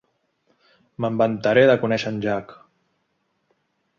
Me'n vantaré, de conèixer en Jack.